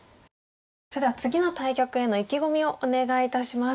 それでは次の対局への意気込みをお願いいたします。